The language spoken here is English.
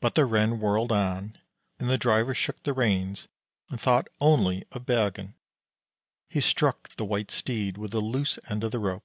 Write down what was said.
But the Ren whirled on, and the driver shook the reins and thought only of Bergen. He struck the White Steed with the loose end of the rope.